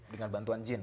dengan bantuan jin